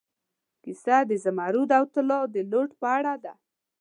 کیسه د زمرد او طلا د لوټ په اړه ده.